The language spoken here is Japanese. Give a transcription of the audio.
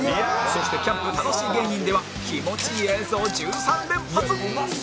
そしてキャンプたのしい芸人では気持ちいい映像１３連発！